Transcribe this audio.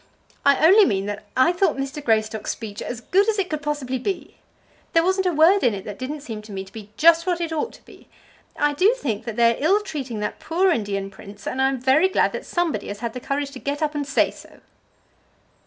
"I only mean that I thought Mr. Greystock's speech as good as it could possibly be. There wasn't a word in it that didn't seem to me to be just what it ought to be. I do think that they are ill treating that poor Indian prince, and I am very glad that somebody has had the courage to get up and say so."